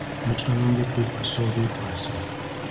Kino twakiraba ng’okwekwasa obwekwasa.